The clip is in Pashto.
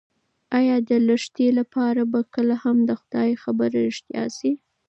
ایا د لښتې لپاره به کله هم د خدای خبره رښتیا شي؟